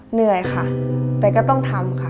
เหนื่อยค่ะแต่ก็ต้องทำค่ะ